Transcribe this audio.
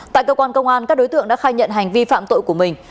tại cơ quan công an các đối tượng đã khai nhận hành vi phạm tội của mình